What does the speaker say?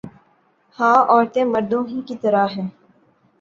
ہاں عورتیں مردوں ہی کی طرح ہیں